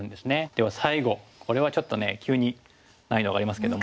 では最後これはちょっとね急に難易度上がりますけども。